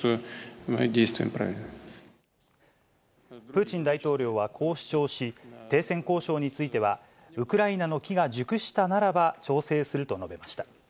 プーチン大統領はこう主張し、停戦交渉については、ウクライナの機が熟したならば、調整すると述べました。